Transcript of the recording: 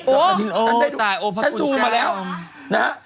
โอ๊ยตายโอพระคุณก้าวอ๋อฉันดูมาแล้วนะฮะ